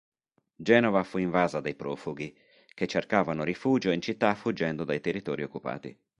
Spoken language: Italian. Genova fu invasa dai profughi, che cercavano rifugio in città fuggendo dai territori occupati.